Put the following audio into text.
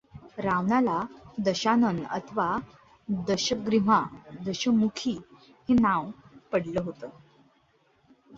रावणाला दशानन अथवा दशग्रीव्हा दशमुखी हे नांव पडले होते.